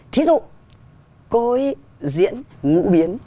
thí dụ cô ấy diễn ngũ biến